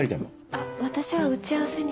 あっ私は打ち合わせに。